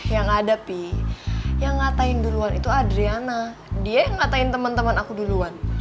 yang ada pi yang ngatain duluan itu adriana dia yang ngatain temen temen aku duluan